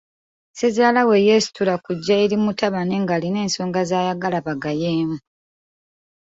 Ssezaalawe yeesitula kujja eri mutabani ng'alina ensonga z'ayagala bagaayeemu.